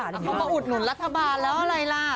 มันมาอุดหนุนรัฐบาลแล้วล่ะ